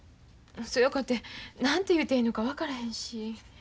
そやかて何て言うてええのか分からへんし。